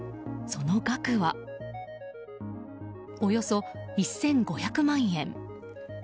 その額は、およそ１５００万円。